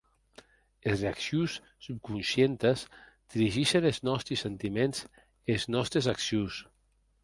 Es reaccions subconscientes dirigissen es nòsti sentiments e es nòstes accions.